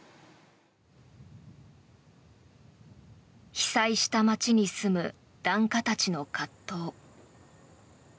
被災した町に住む檀家たちの葛藤。